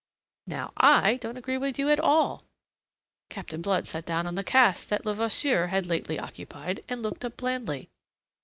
"Now I don't agree with you at all." Captain Blood sat down on the cask that Levasseur had lately occupied, and looked up blandly.